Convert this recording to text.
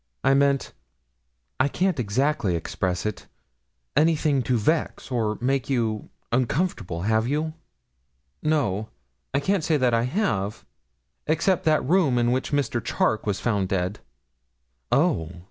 I meant I can't exactly express it anything to vex, or make you uncomfortable; have you?' 'No, I can't say I have, except that room in which Mr. Charke was found dead.' 'Oh!